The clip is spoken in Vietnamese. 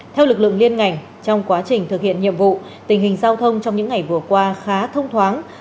theo lực lượng liên ngành trong quá trình thực hiện nhiệm vụ tình hình giao thông trong những ngày vừa qua khá thông thoáng